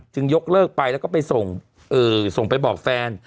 จึงยกเลิกไปแล้วก็ไปส่งเออส่งไปบอกแฟน